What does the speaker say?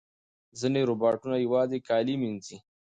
ځینې روباټونه یوازې کالي مینځي.